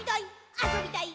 あそびたい！